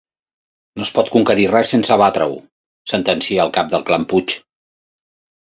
No es pot conquerir res sense abatre-ho — sentencia el cap del clan Puig—.